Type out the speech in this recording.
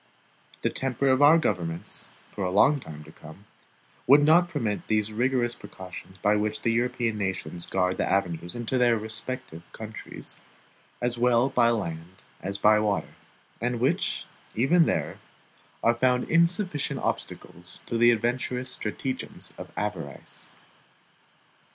The temper of our governments, for a long time to come, would not permit those rigorous precautions by which the European nations guard the avenues into their respective countries, as well by land as by water; and which, even there, are found insufficient obstacles to the adventurous stratagems of avarice.